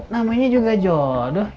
namanya juga jodoh ya